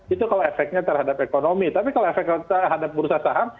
itu kalau efeknya terhadap ekonomi tapi kalau efek terhadap bursa saham